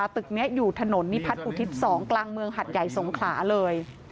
ตึกนี้อยู่ถนนนิพัฒนอุทิศ๒กลางเมืองหัดใหญ่สงขลาเลย